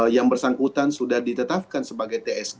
yang bersangkutan sudah ditetapkan sebagai tsk